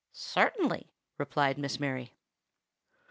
"Certainly," replied Miss Mary.